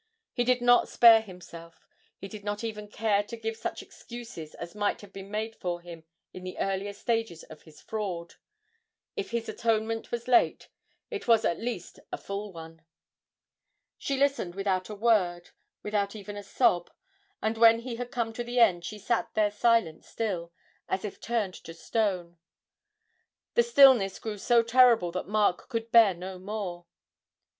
He did not spare himself; he did not even care to give such excuses as might have been made for him in the earlier stages of his fraud. If his atonement was late, it was at least a full one. She listened without a word, without even a sob, and when he had come to the end she sat there silent still, as if turned to stone. The stillness grew so terrible that Mark could bear no more.